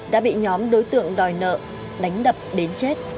đã bị nhóm đối tượng đòi nợ đánh đập đến chết